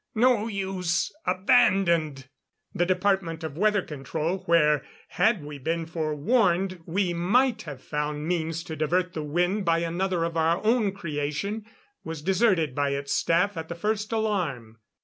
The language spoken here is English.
"No use! Abandoned!" The department of weather control where had we been forewarned we might have found means to divert the wind by another of our own creation was deserted by its staff at the first alarm.